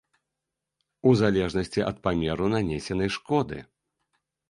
У залежнасці ад памеру нанесенай шкоды.